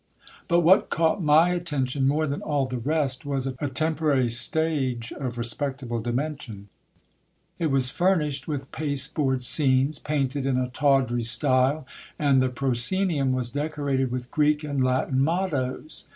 But what caught my attention more than all the rest, was a temporary stage of respectable dimensions. It was furnished with pasteboard scenes, painted in a tawdry style, and the proscenium was decorated with Greek and Latin mottos.